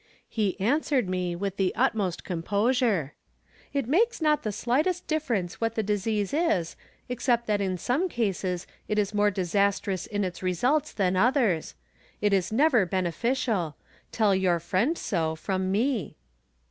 He answered me with the utmost composure :" It makes not the slightest difference what the disease is, except that in some cases it is more disastrous in its results than others. It is never beneficial. Tell your fiiend so, from me."